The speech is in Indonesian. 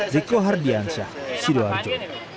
ziko hardiansyah sidoarjo